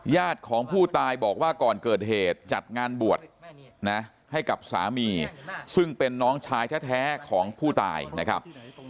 ญาติของผู้ตายบอกว่าก่อนเกิดเหตุจัดงานบวชนะให้กับสามีซึ่งเป็นน้องชายแท้ของผู้ตายนะครับ